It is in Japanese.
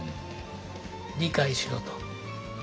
理解しろと。